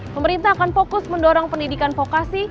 pemerintah akan fokus mendorong pendidikan vokasi